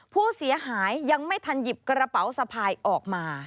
ผู้เสียหายยังไม่ทันหยิบกระเป๋าสะพายออกมา